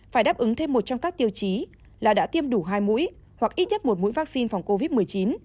phải đáp ứng thêm một trong các tiêu chí là đã tiêm đủ hai mũi hoặc ít nhất một mũi vaccine phòng covid một mươi chín